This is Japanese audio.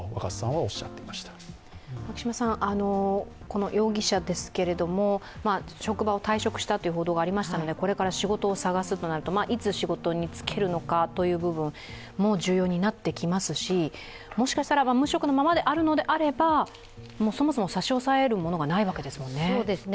この容疑者ですが、職場を退職したという報道がありましたのでこれから仕事を探すとなるといつ仕事に就けるのかという部分も重要になってきますし、もしかしたら無職のままであるのならそもそも差し押さえるものがないわけですもんね。